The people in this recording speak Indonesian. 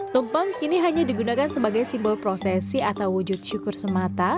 tumpeng kini hanya digunakan sebagai simbol prosesi atau wujud syukur semata